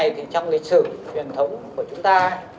cái này thì trong lịch sử truyền thống của chúng ta